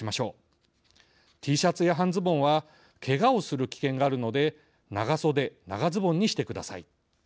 Ｔシャツや半ズボンはけがをする危険があるので長袖長ズボンにしてください。